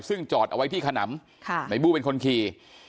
ซึ่งจอดเอาไว้ที่ขนำในบู้เป็นคนขี่